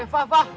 eh fah fah